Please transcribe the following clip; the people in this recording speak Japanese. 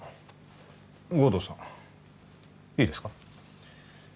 護道さんいいですか？